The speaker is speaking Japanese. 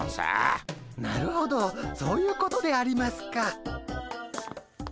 なるほどそういうことでありますか。